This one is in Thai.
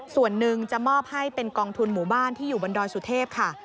ส่วนหนึ่งจะมอบให้เป็นกองทุนหมู่บ้านที่อยู่บนดอยสุเทพค่ะ